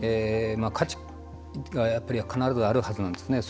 価値が必ずあるはずなんですね。